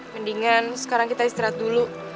mendingan sekarang kita istirahat dulu